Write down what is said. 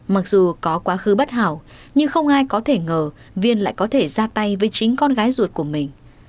mặc dù có quá khứ bất hảo nhưng không ai có thể ngờ viên lại có thể ra tay với chính con gái ruột của mình